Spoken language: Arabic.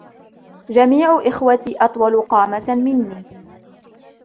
جميع اخوتي أطول قامة مني.